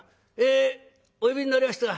えお呼びになりました？」。